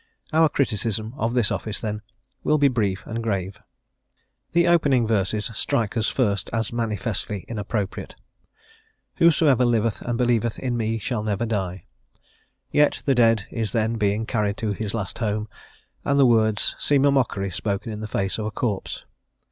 Our criticism of this office, then, will be brief and grave. The opening verses strike us first as manifestly inappropriate: "Whosoever liveth and believeth in me shall never die;" yet the dead is then being carried to his last home, and the words seem a mockery spoken in face of a corpse.